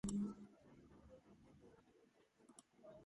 ქუჩაზე გამოდის მეტროს სადგური „ვარკეთილი“.